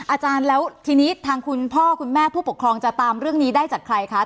อาจารย์แล้วทีนี้ทางคุณพ่อคุณแม่ผู้ปกครองจะตามเรื่องนี้ได้จากใครคะ